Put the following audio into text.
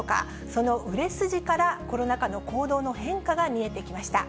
その売れ筋から、コロナ禍の行動の変化が見えてきました。